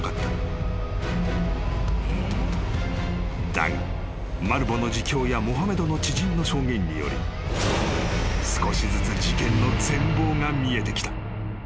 ［だがマルヴォの自供やモハメドの知人の証言により少しずつ事件の全貌が見えてきた］